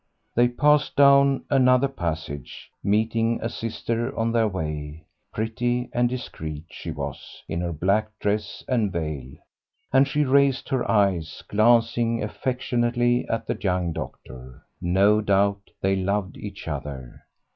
They passed down another passage, meeting a sister on their way; pretty and discreet she was in her black dress and veil, and she raised her eyes, glancing affectionately at the young doctor. No doubt they loved each other.